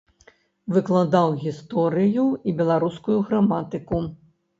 Выкладаў гісторыю і беларускую граматыку.